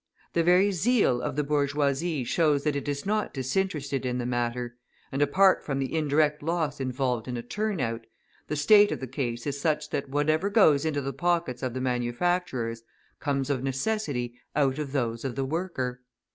The very zeal of the bourgeoisie shows that it is not disinterested in the matter; and apart from the indirect loss involved in a turnout, the state of the case is such that whatever goes into the pockets of the manufacturers comes of necessity out of those of the worker.